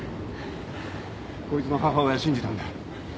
こいつの母親は信じたんだ。